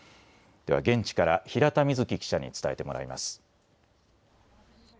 では現地から平田瑞季記者に伝えてもらいます。